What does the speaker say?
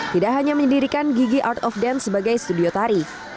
tidak hanya mendirikan gigi art of dance sebagai studio tari